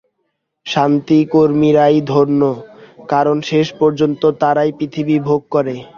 শান্তিকামীরাই ধন্য, কারণ শেষ পর্যন্ত তারাই পৃথিবী ভোগ করে।